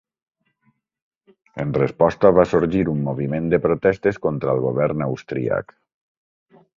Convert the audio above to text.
En resposta, va sorgir un moviment de protestes contra el govern austríac.